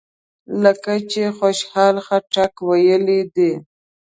لکه چې خوشحال خټک ویلي دي.